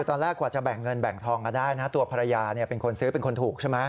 กว่าจะแบ่งเงินแบ่งทองมาได้นะตัวภรรยาเป็นคนซื้อเป็นคนถูกใช่ไหม